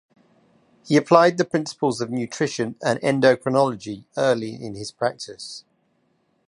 He applied the principles of nutrition and endocrinology early in his practice.